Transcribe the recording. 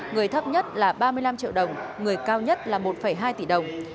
người thấp nhất là ba mươi năm triệu đồng người cao nhất là một hai tỷ đồng